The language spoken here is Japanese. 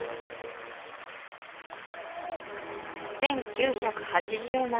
１９８７